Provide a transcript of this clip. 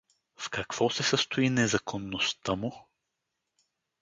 — В какво се състои незаконността му?